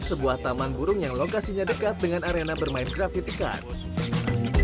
sebuah taman burung yang lokasinya dekat dengan arena bermain grafitical